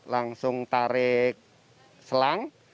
langsung tarik selang